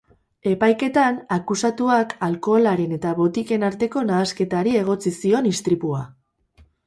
Epaiketan, akusatuak alkoholaren eta botiken arteko nahasketari egotzi zion istripua.